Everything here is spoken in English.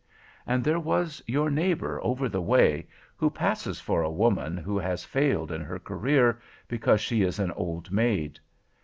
"And there was your neighbor over the way, who passes for a woman who has failed in her career, because she is an old maid.